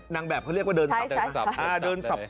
นางแบบเขาเรียกว่าเดินจับ